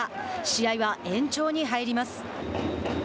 試合は延長に入ります。